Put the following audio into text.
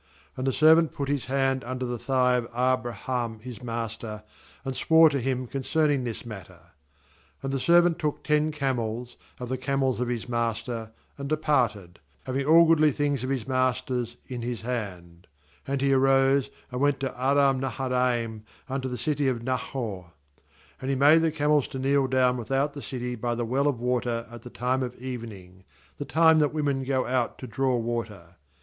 'And the serv ant put his hand under the thigh of A.braham his master, and swore to him concerning this matter. "And the servant ^ took ten camels, of the camels of his master, and departed; having all goodly things of his master's in his hand; and ^ he arose, and went to aAram naharaim, unto the city of Nahor. uAnd he made the camels to kneel down without the city by the well of water at the time of evening, the time that women go out to draw water.